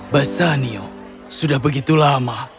bassanio sudah begitu lama